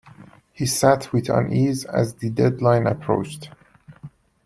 He sat with unease as the deadline approached.